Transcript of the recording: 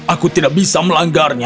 aku tidak bisa melanggar